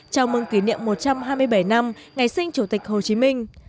chào mừng kỷ niệm một trăm hai mươi bảy năm ngày sinh chủ tịch hồ chí minh